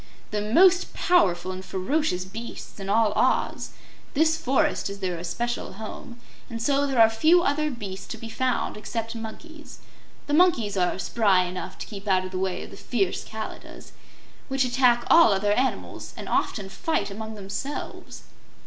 "The most powerful and ferocious beasts in all Oz. This forest is their especial home, and so there are few other beasts to be found except monkeys. The monkeys are spry enough to keep out of the way of the fierce Kalidahs, which attack all other animals and often fight among themselves."